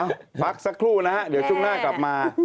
เอ้าปั๊กสักครู่นะเดี๋ยวช่วงหน้ากลับมา